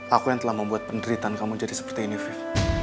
aku yang telah membuat penderitaan kamu jadi seperti ini fit